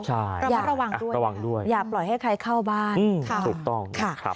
ใช่ระวังด้วยอย่าปล่อยให้ใครเข้าบ้านถูกต้อง